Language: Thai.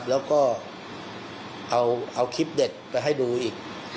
แล้วก็เอาคลิปเด็กไปให้ดูอีก